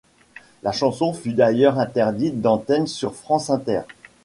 La chanson fut d'ailleurs interdite d'antenne sur France Inter.